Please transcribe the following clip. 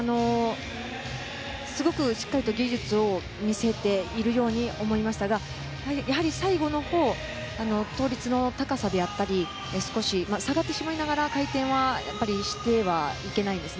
すごくしっかりと技術を見せているように思いましたがやはり最後のほう倒立の高さであったり少し下がってしまいながら回転はしてはいけないんです。